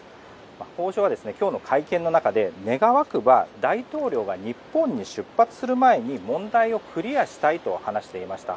法相は今日の会見の中で願わくば、大統領が日本に出発する前に問題をクリアしたいと話していました。